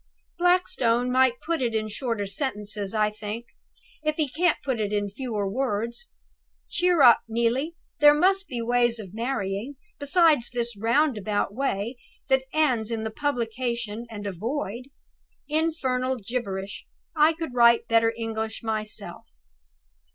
"Blackstone might put it in shorter sentences, I think, if he can't put it in fewer words. Cheer up, Neelie! there must be other ways of marrying, besides this roundabout way, that ends in a Publication and a Void. Infernal gibberish! I could write better English myself."